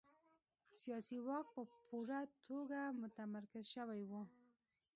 سیاسي واک په پوره توګه متمرکز شوی و.